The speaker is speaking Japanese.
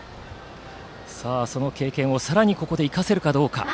その経験をさらに、ここで生かせるか。